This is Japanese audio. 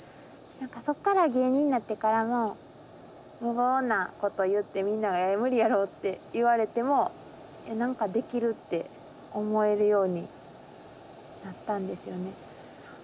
そっから芸人になってからも無謀なこと言ってみんなから無理やろって言われても何かできるって思えるようになったんですよね。